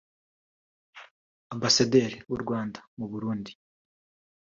Ambasaderi w’u Rwanda mu Burundi